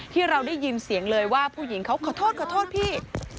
ที่เราได้ยินเสียงเลยว่าผู้หญิงเขาขอโทษขอโทษพี่